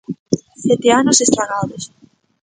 ¡Sete anos estragados!